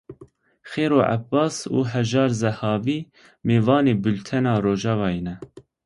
Xêro Ebas û Hejar Zehawî mêvanê Bultena Rojava ne.